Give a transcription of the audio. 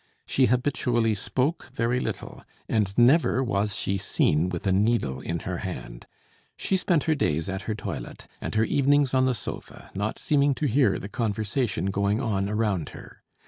She habitually spoke very little, and never was she seen with a needle in her hand; she spent her days at her toilet, and her evenings on the sofa, not seeming to hear the conversation going on around her.